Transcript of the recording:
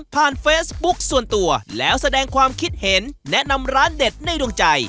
เฟซบุ๊กส่วนตัวแล้วแสดงความคิดเห็นแนะนำร้านเด็ดในดวงใจ